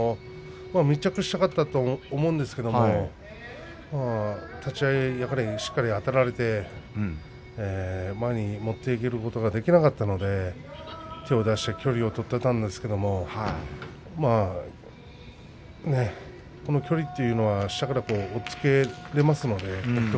密着したかったと思うんですけれども立ち合いしっかりあられて前に持っていくことができなかったので手を出して距離を取っていたんですけれどこの距離というのは下から押っつけることができますので北勝